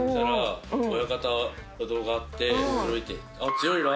強いな。